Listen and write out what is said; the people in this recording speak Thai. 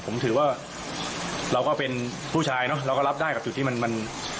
ผมถือว่าเราก็เป็นผู้ชายเนอะเราก็รับได้กับจุดที่มัน